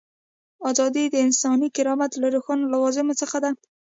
ازادي د انساني کرامت له روښانه لوازمو څخه ده.